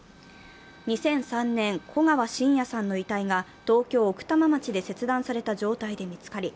２００３年、古川信也さんの遺体が東京・奥多摩町で切断された状態で見つかり